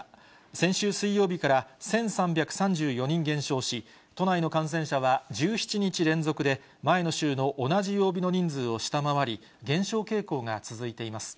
先週水曜日から１３３４人減少し、都内の感染者は１７日連続で前の週の同じ曜日の人数を下回り、減少傾向が続いています。